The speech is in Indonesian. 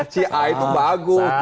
si a itu bagus